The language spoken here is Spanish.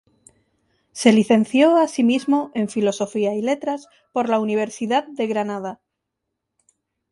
Se licenció asimismo en Filosofía y Letras por la Universidad de Granada.